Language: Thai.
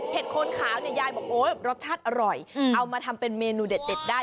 โคนขาวเนี่ยยายบอกโอ๊ยรสชาติอร่อยเอามาทำเป็นเมนูเด็ดได้